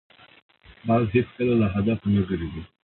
باز هېڅکله له هدفه نه ګرځي